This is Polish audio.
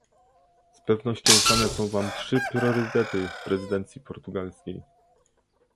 Z pewnością znane są wam trzy priorytety prezydencji portugalskiej